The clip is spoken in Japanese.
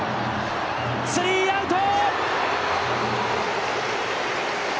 スリーアウト！